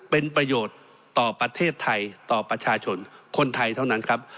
เป็นประโยชน์ต่อประเทศไทยต่อประชาชนคนไทยเท่านั้นครับ